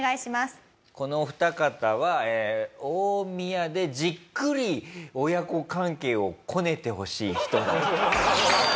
このお二方は大宮でじっくり親子関係をこねてほしい人たちです。